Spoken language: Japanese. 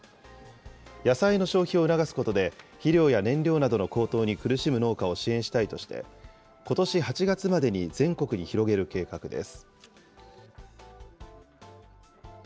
野菜の消費を促すことで、肥料や燃料などの高騰に苦しむ農家を支援したいとして、ことし８月までに全国に広げる計画です。